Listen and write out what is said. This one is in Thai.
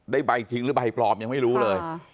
ใบจริงหรือใบปลอมยังไม่รู้เลย